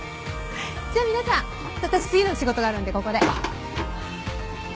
じゃ皆さん私次の仕事があるんでここで。